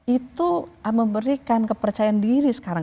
itu memberikan kepercayaan diri sekarang